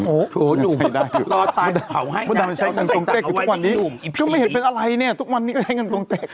โอ้โหนุ่มลอตัดเผาให้นะทุกวันนี้ก็ไม่เห็นเป็นอะไรเนี่ยทุกวันนี้ก็ให้กันกองเต็ก